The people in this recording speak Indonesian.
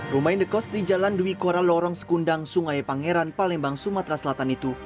rumah indekos di jalan dwi kora lorong sekundang sungai pangeran palembang sumatera selatan itu